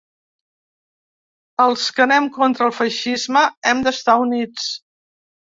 Els que anem contra el feixisme hem d’estar units.